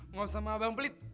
nggak usah sama abang pelit